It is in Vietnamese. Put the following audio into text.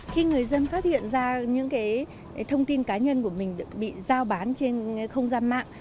khi người dân phát hiện ra những thông tin cá nhân của mình bị giao bán trên không gian mạng